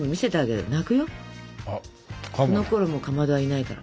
そのころもうかまどはいないから。